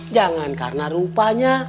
jangan karena rupanya